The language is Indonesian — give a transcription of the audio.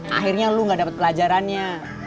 akhirnya lo gak dapet pelajarannya